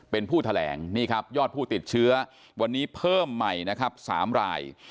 เป็นผู้แถลงนี่ครับยอดผู้ติดเชื้อวันนี้เพิ่มใหม่นะครับ๓ราย